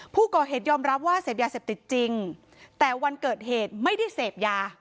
ผู้ก่อเหตุยอมรับว่าเสพยาเสพติดจริงแต่วันเกิดเหตุไม่ได้เสพยา